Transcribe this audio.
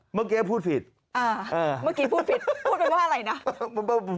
เมื่อกี้พูดผิดอ่าเมื่อกี้พูดผิดพูดไปว่าอะไรนะ